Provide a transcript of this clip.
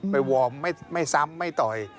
วอร์มไม่ซ้ำไม่ต่อย